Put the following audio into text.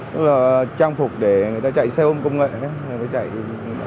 tức là trang phục để người ta chạy xe ôm công nghệ